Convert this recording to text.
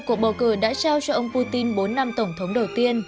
cuộc bầu cử đã trao cho ông putin bốn năm tổng thống đầu tiên